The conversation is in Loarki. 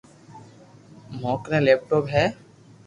موڪني ليپ ٽوپ ھي